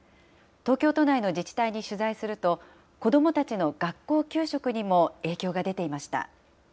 東京都内の自治体に取材すると、子どもたちの学校給食にも影響が出ていました。